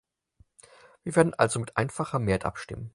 Wir werden also mit einfacher Mehrheit abstimmen.